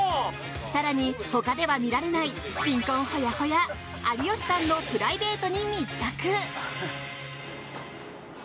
更に、他では見られない新婚ホヤホヤ有吉さんのプライベートに密着！